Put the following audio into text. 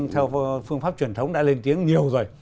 theo phương pháp truyền thống đã lên tiếng nhiều rồi